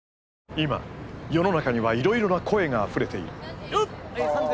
今世の中にはいろいろな声があふれている。